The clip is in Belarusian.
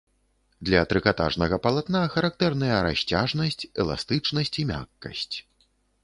Для трыкатажнага палатна характэрныя расцяжнасць, эластычнасць і мяккасць.